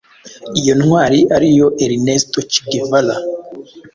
iyo ntwari ariyo ernesto che guevara